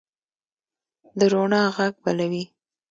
د روڼا ږغ بلوي